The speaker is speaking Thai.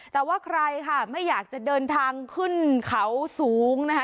แต่ว่าใครค่ะไม่อยากจะเดินทางขึ้นเขาสูงนะคะ